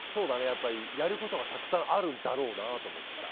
やっぱりやることがたくさんあるだろうなと思ってさ。